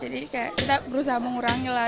jadi kita berusaha mengurangi lah